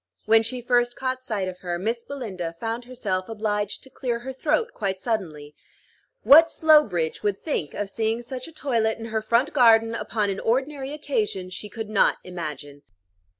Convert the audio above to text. When she first caught sight of her, Miss Belinda found herself obliged to clear her throat quite suddenly. What Slowbridge would think of seeing such a toilet in her front garden, upon an ordinary occasion, she could not imagine.